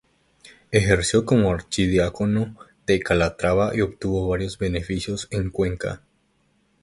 Ejerció como archidiácono de Calatrava y obtuvo varios beneficios en Cuenca.